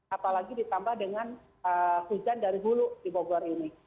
apalagi ditambah dengan hujan dari hulu di bogor ini